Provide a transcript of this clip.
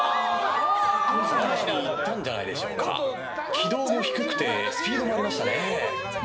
軌道も低くてスピードもありましたね。